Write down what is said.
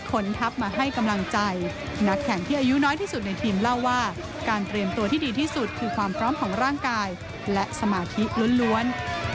คนทัพมาให้กำลังใจนักแข่งที่อายุน้อยที่สุดในทีมเล่าว่าการเตรียมตัวที่ดีที่สุดคือความพร้อมของร่างกายและสมาธิล้วน